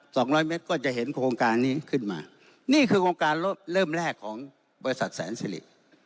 สองร้อยเมตรก็จะเห็นโครงการนี้ขึ้นมานี่คือโครงการรถเริ่มแรกของบริษัทแสนสิริ